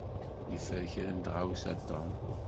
Yeffer kra n tɣawsa Tom.